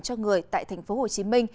cho người tại tp hcm